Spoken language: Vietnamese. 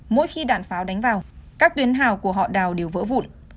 mỗi khi đạn pháo đánh vào các tuyến hào của họ đào đều vỡ vụn